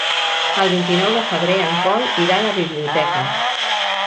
El vint-i-nou de febrer en Pol irà a la biblioteca.